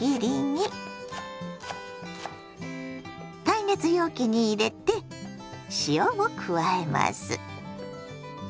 耐熱容器に入れて塩を加えます。